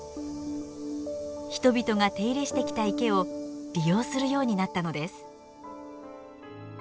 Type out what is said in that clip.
人々が手入れしてきた池を利用するようになったのです。